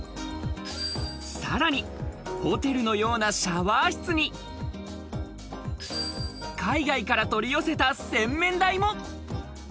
さらに、ホテルのようなシャワー室に、海外から取り寄せた洗面台も。